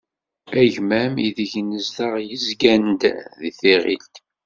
Agmam ideg nezdeɣ yezgan-d deg tiɣilt.